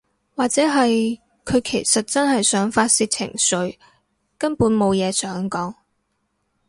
或者係佢其實只係想發洩情緒，根本無嘢想講